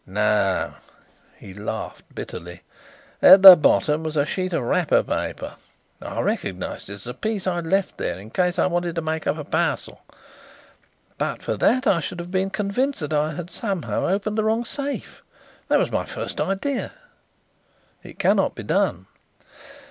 "No." He laughed bitterly. "At the bottom was a sheet of wrapper paper. I recognized it as a piece I had left there in case I wanted to make up a parcel. But for that I should have been convinced that I had somehow opened the wrong safe. That was my first idea." "It cannot be done."